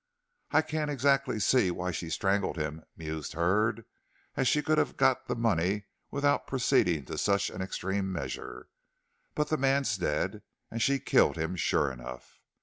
I can't exactly see why she strangled him," mused Hurd, "as she could have got the money without proceeding to such an extreme measure. But the man's dead, and she killed him sure enough.